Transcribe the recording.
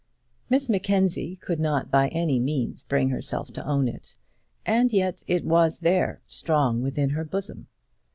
Miss Mackenzie could not by any means bring herself to own it, and yet it was there strong within her bosom.